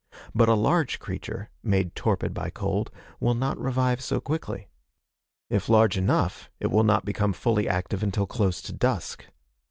But a large creature, made torpid by cold, will not revive so quickly. If large enough, it will not become fully active until close to dusk.